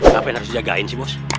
ngapain harus dijagain sih mas